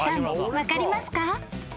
分かりますか？］